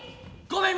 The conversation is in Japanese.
ごめん